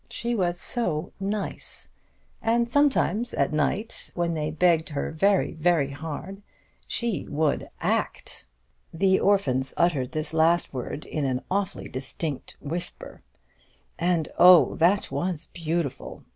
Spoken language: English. She was so nice; and sometimes, at night, when they begged her very, very hard, she would ACT (the orphans uttered this last word in an awfully distinct whisper); and, oh, that was beautiful!